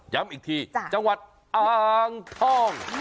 ย้ำอีกทีจังหวัดอ่างทอง